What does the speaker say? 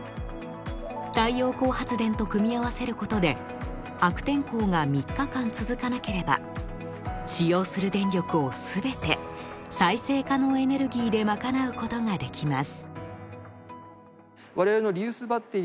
太陽光発電と組み合わせることで悪天候が３日間続かなければ使用する電力をすべて再生可能エネルギーで賄うことができます。